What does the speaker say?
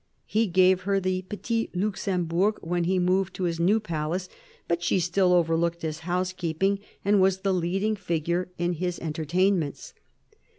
He gave her the Petit Luxembourg when he moved to his new palace, but she still overlooked his housekeeping and was the leading figure in his entertainments.